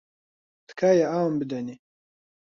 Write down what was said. تکایە ئاوم بدەنێ.